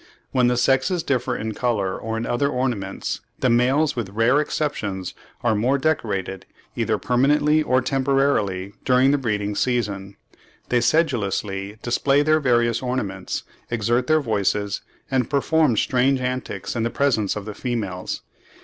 When the sexes differ in colour or in other ornaments the males with rare exceptions are the more decorated, either permanently or temporarily during the breeding season. They sedulously display their various ornaments, exert their voices, and perform strange antics in the presence of the females.